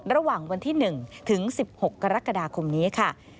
ระหว่างวันที่๑ถึง๑๖กรกฎาคมนี้ค่ะ